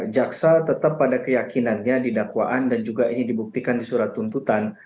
jaksa tetap pada keyakinannya di dakwaan dan juga ini dibuktikan di surat tuntutan